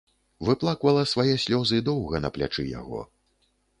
Выплаквала свае слёзы доўга на плячы яго.